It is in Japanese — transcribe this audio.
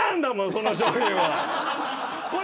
その商品は。